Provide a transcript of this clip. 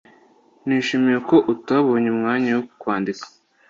Nishimiye ko utabonye umwanya wo kwandika